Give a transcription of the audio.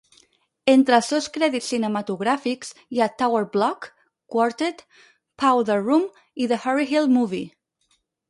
Entre els seus crèdits cinematogràfics hi ha "Tower Block", "Quartet", "Powder Room" i "The Harry Hill Movie".